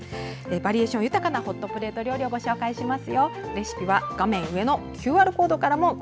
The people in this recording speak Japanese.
バリエーション豊かなホットプレート料理をご紹介します。